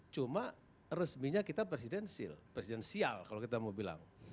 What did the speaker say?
cuma resminya kita presidensil presidensial kalau kita mau bilang